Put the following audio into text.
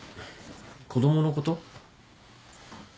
子供のこと？